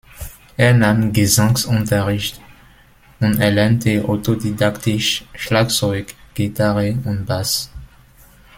Er nahm Gesangsunterricht und erlernte autodidaktisch Schlagzeug, Gitarre und Bass.